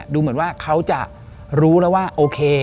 ดูเหมือนว่าเขาจะรู้แล้วว่าโอเค